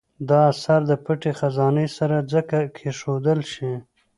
دا اثر د پټې خزانې سره ځکه کېښودل شي.